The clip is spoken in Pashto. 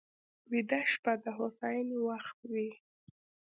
ویده شپه د هوساینې وخت وي